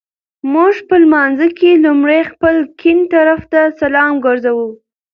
مونږ په لمانځه کي لومړی خپل ګېڼ طرفته سلام ګرځوو